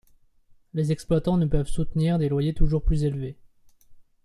Les exploitants ne peuvent soutenir des loyers toujours plus élevés.